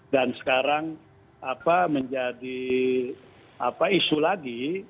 dan sekarang apa menjadi apa isu lagi